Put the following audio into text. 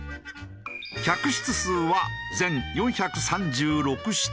客室数は全４３６室。